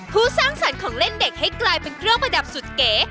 สร้างสรรค์ของเล่นเด็กให้กลายเป็นเครื่องประดับสุดเก๋